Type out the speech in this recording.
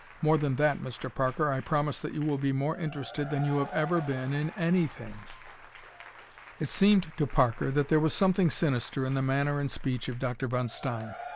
More than that, Mr. Parker, I promise that you will be more interested than you have ever been in anything!" It seemed to Parker that there was something sinister in the manner and speech of Dr. von Stein.